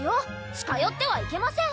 近よってはいけません